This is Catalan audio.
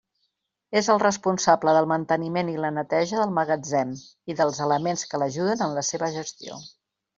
És el responsable del manteniment i la neteja del magatzem i dels elements que l'ajuden en la seva gestió.